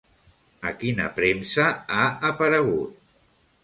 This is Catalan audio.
A quina premsa ha aparegut?